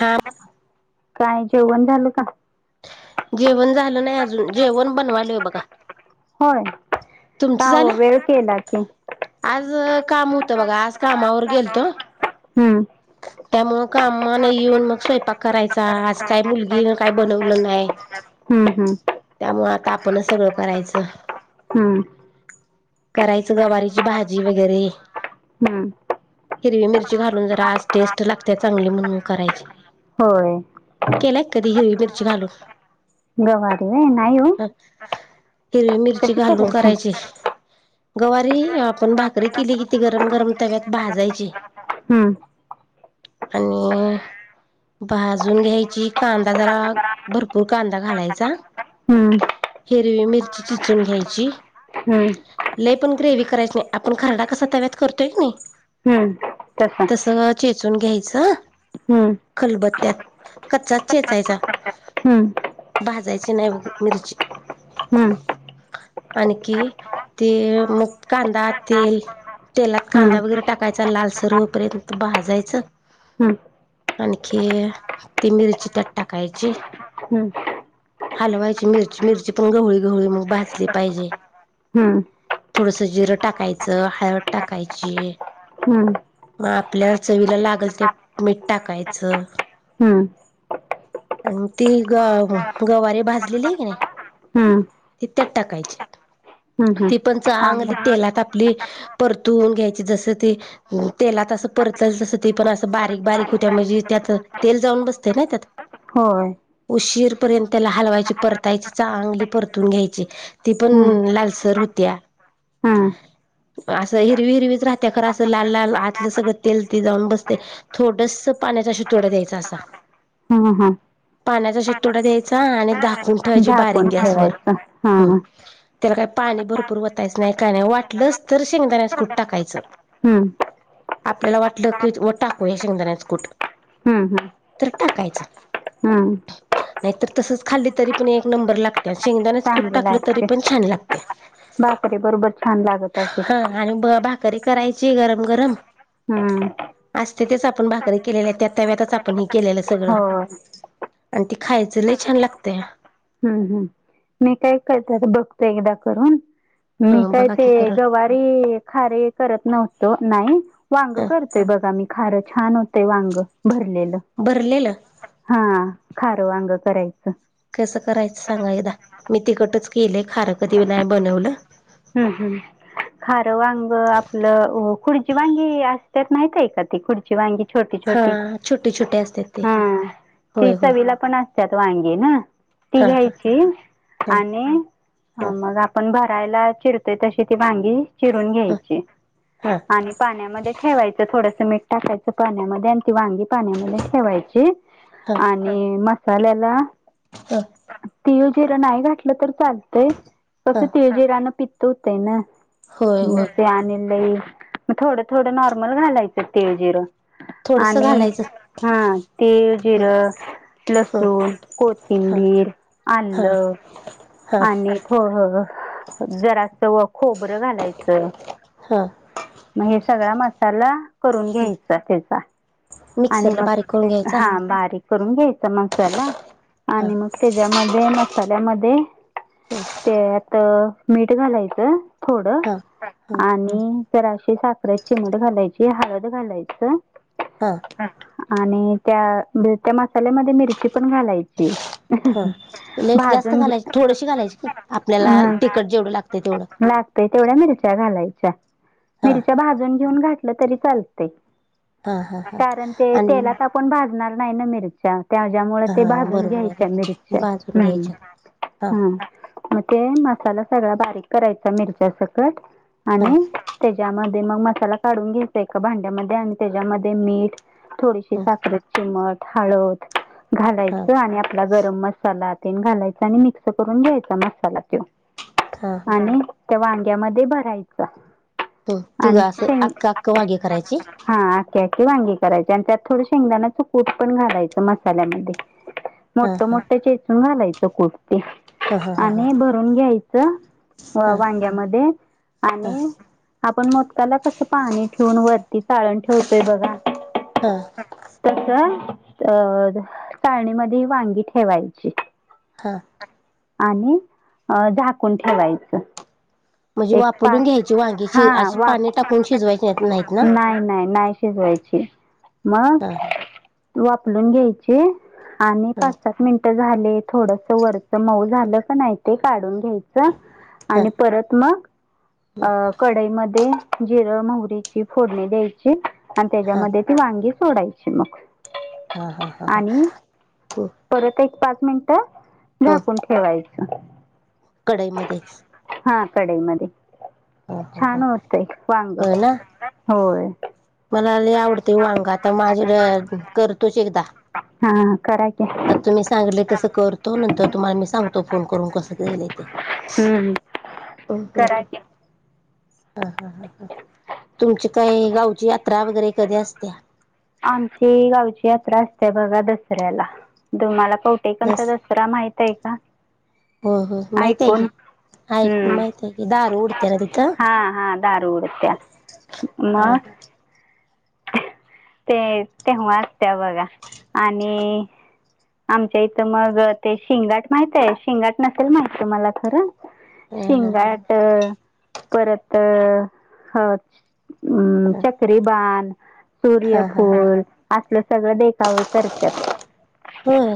हा. काय जेवण झालं का? जेवण झालं नाही अजून जेवण बनवालोय बघा. होय, का तुमचं हो झालं वेळ केला की. आज अ काम होतं बघा आज कामावर गेलतो. हम्म त्यामुळ कामाला येऊन मग स्वयपाक करायचा आज काय मुलगीन काय बनवलं नाय. हम्म हम्म त्यामुळे आता आपणच सगळं करायचं. हम्म करायचं गवारीची भाजी वगैरे. हम्म हिरवी मिरची घालून जरा, आज टेस्ट लागत्या चांगली म्हणून करायची. होय केलाय कधी हिरवी मिरची घालून? गवारी व्हय, नाही ओ. ह हिरवी मिरची घालून करायची. गवारी आपण भाकरी केली कि ती गरम गरम तव्यात भाजायची. हम्म आणि भाजून घ्यायची, कांदा जरा भरपूर कांदा घालायचा, हम्म हिरवी मिरची चिचून घ्यायची हम्म लय पण ग्रेवी करायच नाही आपण खरडा कसा तव्यात करतोय क नयी. हम्म तसं तस चेचून घ्यायचं. हा खलबत्त्यात कच्चाच चेचायचा. हम्म भाजायची नाही बघ मिरची. हम्म आणखी, ते मग कांदा, तेल तेलात हम्म कांदा वगैरे टाकायचा लालसर होऊपर्यंत भाजायच. हम्म आणखी ती मिरची त्यात टाकायची. हम्म हलवायची मिरची, मिरची पण गव्हळी, गव्हळी मग भाजली पाहिजे. हम्म थोडंसं जिरं टाकायचं, हळद टाकायची. हम्म मग आपल्या चवीला लागल ते मीठ टाकायचं. हम्म आणि ती ग गवारीे भाजलेली आहे की नाही हम्म ते त्यात टाकायची, हम्म हम्म ती पण चांगली तेलात आंबट आपली परतुन घ्यायची जसं ती तेलात असं परतल तसं ते पण असं बारीक बारीक होत्या, म्हणजे त्यात तेल जाऊन बसतय ना त्यात होय उशीर पर्यंतत्याला हलवायची, परतायची चांगली परतून घ्यायची. ती पण हम्म लालसर होत्या हम्म असं हिरवी हिरवीच राहत्या, खरं असं लाल लाल आतलं सगळं तेल ते जाऊन बसतय. थोडस पाण्याचा [inaudible] शतोडा द्यायचा असा हम्म. हम्म. पाण्याचा [inaudible] शेत तोडा द्यायचा आणि दाखवून ठेवायची बारीक झाकून [inaudible] गॅसवरर ठेवायचं हा हो. हम्म त्याला काही पाणी भरपूर वतायचं नाही काय नाही. वाटलंच तर शेंगदाण्यास कूट टाकायचं. हम्म. आपल्याला वाटलं की व टाकू हे शेंगदाण्याच कूट. हम्म. हम्म. टाकायचं. हम्म. नाहीत तसच खाल्ली तरी पण एक नंबर लागते शेंगदाच [inaudible] भाकरीे बरोबर छान लागत असे हा आणि ब भाकरी करायची गरम गरम हम्म. असते तेच आपण भाकरी केले [inaudible] आहे त्या तव्यातच आपण ह केलेलं सगळं होय आणि ते खायचं [inaudible] लही छान लागतय हं हं मी काय [inaudible] करत [inaudible] बघतो एकदा करून, मी हं काय बघा ते की करून गवार [inaudible] खारे करत नव्हतो नाही वांग हं करतोय बघा मी खार छान होतेय वांग भरलेलं भरलेलं हा खार वांग करायचं कसं करायचं सांगा एकदा मी तिकटच केलंय खारं कधी नाही बनवलं हम्म हम् खार वांग आपलं अं खुर्ची वांगी [inaudible] असत माहित आहे का ती खुर्ची वांगी छोटी हा छोटी छोटे, छोटे असतेात ते हां. ती होय होय चवीला पण असतात वांगी ना, ती हां हां घ्यायची हां आणि ह हां मग आपण भरायला चिरतोय तशी ती वांगी चिरून घ्यायची हां आणि पाण्यामध्ये ठेवायचं थोडस मीठ टाकायचं पाण्यामध्ये आणि ती वांगी पाण्यामध्ये ठेवायची हां हां बर आणि मसाल्याला हां तिळ, जिरं नाही घातलं तर चालतय. हां कसं तिळ जिरान पित्त होतय ना होय होय तेे आणलई मग थोडं थोडं नॉर्मल घालायचं [inaudible] तेळ जिरं थोडसं आणि घालायचं हा तेल हं जिरं हं लसूण, हां कोथिंबीर, हां आलं.... हां आणि थों जरा असं व खोबरं घालायचं. हां मग हे सगळा मसाला करून घ्यायचा त्याचा आणि मिक्सरला मग बारीक करून घ्यायचा हा बारीक करून घ्यायचा मसाला हां आणि मग त्याच्यामध्ये मसाल्यामध्ये [unintelligible] [inaudible] ते आत मीठ घालायचं थोड हां हां आणि जराशी साख [inaudible] आपडे चिमट घालायची हळद घालायचं हं. आणि त्या [inaudible] त्या मसाल्यामध्ये मिरची पण घालायची. [inaudible] भाजून घेत थोडशी घालायची का आपल्याला तिकट जेवढं लागत तेवढं लागतय तेवढ्या मिरच्या घालायच्या हां मिरच्या भाजून घेऊन घ नसल तरी चालते हा हा हा कारण ते आणि तेलात आपण भाजणार नाही ना मिरच्या त्याच्यामुळे ते हा भाजून बरोबर आहे घ्यायच्या बरोबर. मिरच्या, भाजून हम्म. घ्यायच्या हा मग ते मसाला सगळा बारीक करायचा मिरच्या सकट हा आणि त्याच्यामध्ये मग मसाला काढून घ्यायचा ए भांड्यामध्ये आणि त्याच्यामध्ये मीठ थोडी ह साखर चिमट, हळद हा घालायच आणि आपला गरम मसाला ते घालायचा आणि मिक्स करून घ्यायचा मसाला तो. हा आणि त्या वांग्यामध्ये भरायचा. हो, तिघं आणि असं शेंग अक्ख, अक्ख वांगी करायचे? हा आखी, आखी वांगी करायचे आणि त्यात थोडं शेंगदाण्याच कूट पण घालायचं मसाल्यामध्ये हा मोठ, हा मोठ चेचून घालायचं कुट ते हा हा हा हा आणि भरून घ्यायचं हा वांग्यामध्ये हा आणि आपण मोदकाला कसं पाणी ठेवून वरती चाळण ठेवतोय बघा हां. तस अ चााळणीमध्ये वांगी ठेवायची हां. आणि अ झाकून ठेवायचं. म्हणजे एक पा वापरून घ्यायची वांगी हा शि अशी वा पाणी [unintelligible] टाकून शिजवायची नाहीत नाहीत ना नाही, नाही, नाही. शिजवायची, मग? हां हां वापलून घ्यायचे आणि पाच, हां सात मिनटं झाले थोड वरत मऊ झालं का नाही ते काढून घ्यायच हां आणि परत मग अ कढाई मध्ये जिरं, मोहरीची फोडणी द्यायची आणि त्याच्यामध्ये ती वांगी सोडायची मग. हा हा हा हा आणि हो. परत एक पाच मिनट झाकून ठेवायच. कडाई मध्ये. हा कडाई मध्ये हो हो हो छान होतय वांग. हो ना होय. मला लय आवडते वांगा आता माझ्या करतोच एकदा. हा खराकी. चांगले तसं करतो नंतर तुम्हाला मी सांगतो फोन करून कसं केलं आहे ते हम्म, हम्म. हं हां करा हां. की ह ह ह तुमची काय गावची यात्रा वगैरे कधी असत्या? आमची गावची यात्रा असते बघा दसऱ्याला तुम्हाला पाट टेकनचा दस दसरा माहित आहे का? हो हो माहिती आहे ऐकून की. ऐकून हम्म माहित आहे, दारू उडते ना तिथं? म... हा हा. ते तेव्हाचत असते बघा आणि आमच्या इथं मग ते शिंगाट माहित आहे? शिंगाट नसेल माहित मला खरं. हा हा शिंगाट परत ह, हम्म, चक्री बाण हा हा हा सूर्यफुल असलं सगळं देखावे करतात. होय.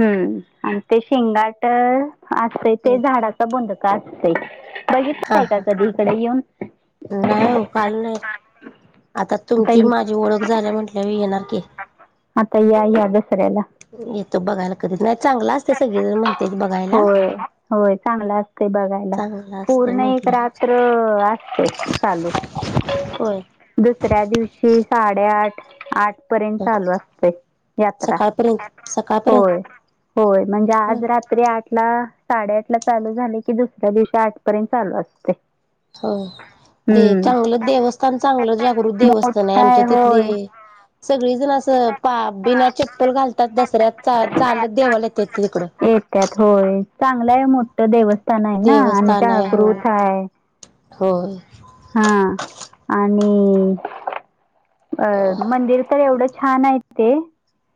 हम्म आणि ते शेंगाट असते ते हम्म. झाड प्रबंध का असते, हा बघितलंय का हा कधी इकडे येऊन? नाही हो काल नाही आता तुमची माझी ओळख झाली म्हटल्या येणार की. आता येइल या दसऱ्याला. येतो बघायला कधीच नाही चांगला असते सगळे जण म्हणते बघायला. ते बघायला चांगलं असते पूर्ण एक म्हंटलं रात्र असते चालू. होय. दुसऱ्या दिवशी साडेआठ आठ पर्यंत चालू असते यात्रा सकाळपर्यंत होय सकाळपर्यंत -होय म्हणजे होय. आज रात्री तरी आठ ला साडेआठ ला चालू झाले की दुसऱ्या दिवशी आठपर्यंत चालू असते. हो दे हम्म. चांगलं देवस्थान चांगलं जागृत देवस्थान आहे मोठा आमच्या तिथली होय सगळी जण असं पा बिना चप्पल घालतात दसऱ्यात चालत देवाला येतेत तिकडं. त्यात होय चांगलंय मोठ देवस्थान आहे ना देवस्थान आहे होय जागृत आहे. होय. हा आणि अ मंदिर तर एवढं छान आहेत ते.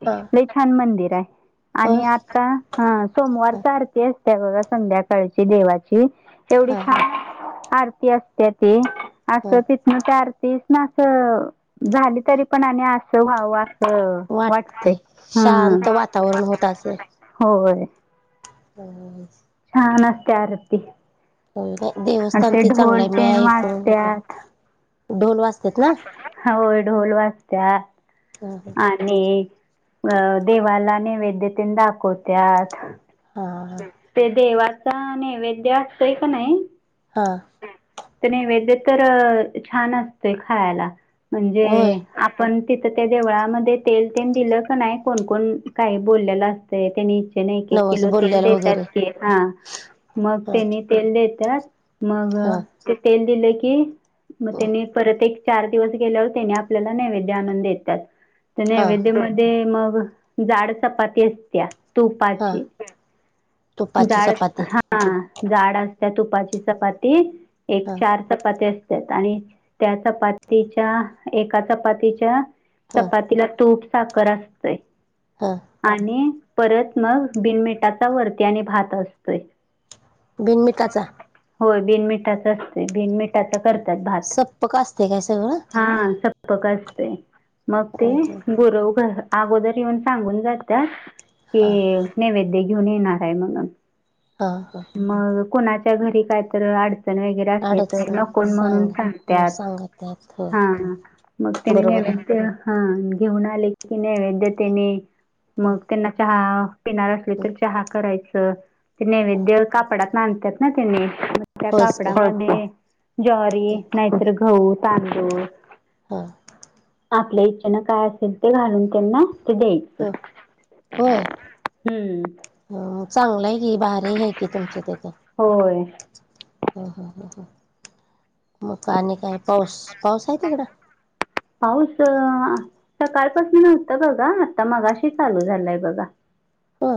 हा. छान मंदिर आहे हो आणि आता हा सोमवारचा आरती असते. बघा संध्याकाळची देवाची एवढी हा हा. छान आरती असते ती ह असं तिथन ते आरतीस ना असं झाली तरी पण आणि अस वा- वा. हो वाटते वाटतय शांत ह वातावरण होत [inaudible] होय हम्म. छान असती आरती. हो का आणि देवस्थान ते चांगलं ढोल आहे मी तेन ऐ वाजत्यात करून ढोल वाजतात ना? होय ढोल वाजता हा आणि अ देवाला नैवेद्यते दाखवत्यात हा ते देवाच नैवेद्य असचंय का नाही. हां. तर नैवेद तर छान असतय खायला म्हणजे होय आपण तिथं त्या देवळामध्ये तेल- तेल दिलं क नाही कोण -कोण काही बोललेला असतंय त्यांनी त्यांनी एक- एक नवस किलो तेल बोलल्याला वगैरे देतात की हा मग हा तेनी तेल देतात. मग हा. ते तेल दिलं की मग त्यांनी परत एक चार दिवस गेल्यावर आपल्याला नैवेद्य आणून देतात त हा नैवेद्य हा मध्ये मग जाड चपाती असत्या हा तुपाची तुपाची जाड चपाती हा जाड असत तुपाची चपाती एक हा चार चपाती असतात. आणि त्या चपातीच्या एका चपातीच्या हा चपातीला तूप साखर असतय. हां. आणि परत मग बिनमिटाचा वरती आणि भात असतोय. बिन मिठाचा? होय बिनमिठाच असते. बिनमीठाच करतात भात सप्पक असते काय सगळं हा स्वयंपाक असते मग ते गुरव घर अगोदर येऊन सांगून जातात की हा नैवेद्य घेऊन येणार आहे म्हणून. हा -हा. मग कुणाच्या घरी काय तर अडचण वगैरे अडचण नको म्हणून सांगा मग सांगत्यात सांगा त्यात हो हा हा मग त्यांनी बरोबर आहे नैवेद्य हा घेऊन आले की नैवेद्य तेनी मग त्यांना चहा पिणार असलीत तर चहा करायचं ते नैवेद्य कापडातन आणण्यात ना त्याने मग त्या होयच की कापडामध्ये ज्वारी नाहीतर गहू तांदूळ हा आपल्या इच्छेनं काय असेल ते घालून त्यांना ते द्यायचं ह हम्म ह चांगलं आहे कि भारी आहे कि तुमच्या तिथं होय मग आणि काय पाऊस पाऊस आहे तिकडं पाऊस सकाळपासून न्हवता बघा आता मगाशी चालू झालंय बघा हा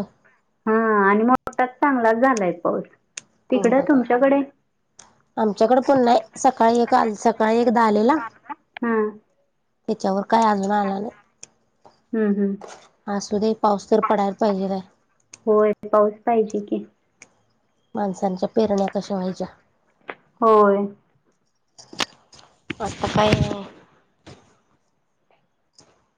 हा आणि मोठा चांगलाच झालाय पाऊस हम तिकडं बघा तुमच्याकडे आमच्याकडे पण सकाळी एक आल सकाळी का एकदा आलेला हा त्याच्यावर काय अजून आला नाही हम्म हम्म असुदे पाऊस तर पडायला पाहिजे बाई होय पाऊस पाहिजे की माणसांच्या पेरण्या कशा व्हायच्या होय. आता काय मग